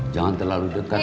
jangan terlalu dekat